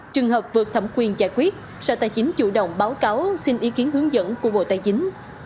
trường hợp vượt thẩm quyền giải quyết sở tài chính chủ động báo cáo xin ý kiến hướng dẫn của bộ tài chính